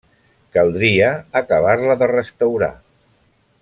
Caldria acabar-la de restaurar.